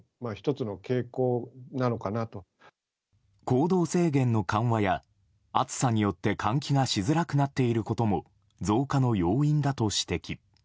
行動制限の緩和や暑さによって換気がしづらくなっていることも増加の要因だと指摘。